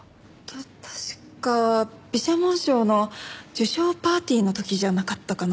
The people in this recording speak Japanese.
確か美写紋賞の受賞パーティーの時じゃなかったかな。